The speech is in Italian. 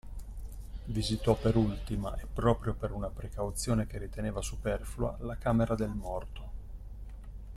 Visitò per ultima, e proprio per una precauzione che riteneva superflua, la camera del morto.